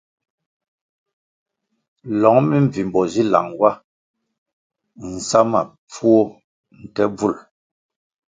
Lõng mbvimbo zi lang wa nsa ma pfuó nte bvul.